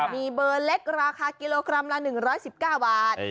มีเบอร์เล็กราคากิโลกรัมละ๑๑๙บาท